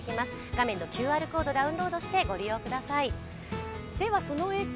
画面のＱＲコードをダウンロードしてご利用ください。